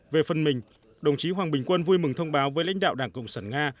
về phần mình đồng chí hoàng bình quân vui mừng thông báo với lãnh đạo đảng cộng sản nga